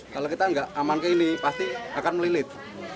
kalau kita nggak aman ke ini pasti akan melilit